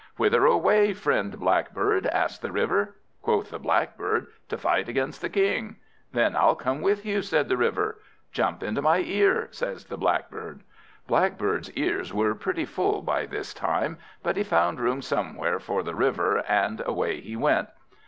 "Whither away, friend Blackbird?" asked the River. Quoth the Blackbird, "To fight against the King." "Then I'll come with you," said the River. "Jump into my ear," says the Blackbird. Blackbird's ears were pretty full by this time, but he found room somewhere for the River, and away he went.